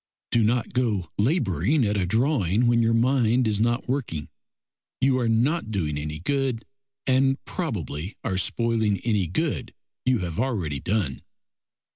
Do not go labouring at a drawing when your mind is not working; you are not doing any good, and probably are spoiling any good you have already done.